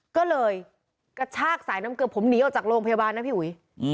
ก็เลยกระชากสายน้ำเกลือผมหนีออกจากโรงพยาบาลนะพี่อุ๋ย